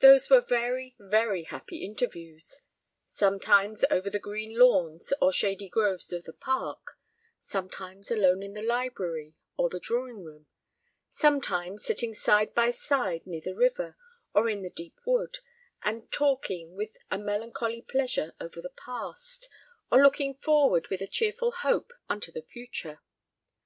Those were very, very happy interviews; sometimes over the green lawns or shady groves of the park, sometimes alone in the library or the drawing room, sometimes sitting side by side near the river, or in the deep wood, and talking with a melancholy pleasure over the past, or looking forward with a cheerful hope unto the future.